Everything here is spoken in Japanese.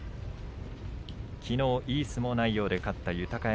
きのういい相撲内容で勝った豊山